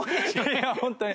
いやホントに。